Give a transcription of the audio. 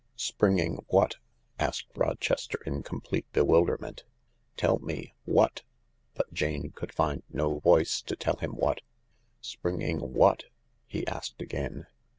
" Springing what ?" asked Rochester in complete be wilderment. "Tell me — what ?" But Jane could find no voice to tell him what. " Springing what ?" he asked again.